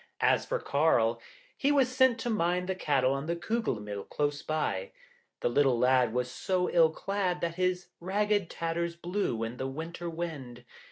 As to Karl, he was sent to mind the cattle on the Kugelmill close by; the little lad was so ill clad that his ragged tatters blew in the winter wind.